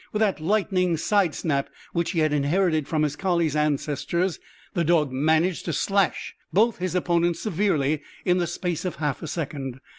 With that lightning side snap which he had inherited from his collie ancestors, the dog managed to slash both his opponents severely in the space of half a second.